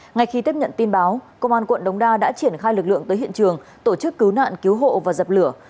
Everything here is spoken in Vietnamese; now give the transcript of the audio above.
ngay khi tiếp nhận tin báo công an quận đống đa đã triển khai lực lượng tới hiện trường tổ chức cứu nạn cứu hộ và dập lửa